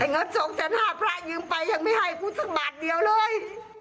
เงิน๒๕๐๐บาทพระยืมไปยังไม่ให้กูสักบาทเดียวเลย